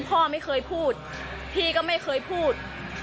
พ่อไม่เคยพูดพี่ก็ไม่เคยพูด